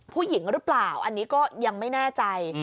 ผู้หญิงหรือเปล่าอันนี้ก็ยังไม่แน่ใจ